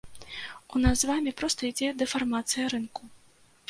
У нас з вамі проста ідзе дэфармацыя рынку.